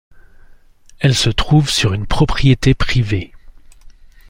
Elle se trouve sur une propriété privée.